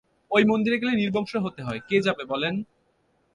ঐ মন্দিরে গেলে নির্বংশ হতে হয়, কে যাবে বলেন?